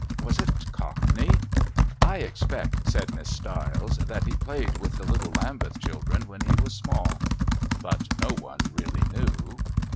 Was it Cockney? "I expect," said Miss Stiles, "that he played with the little Lambeth children when he was small" but no one really knew...